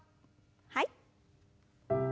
はい。